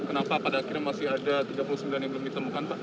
kenapa pada akhirnya masih ada tiga puluh sembilan yang belum ditemukan pak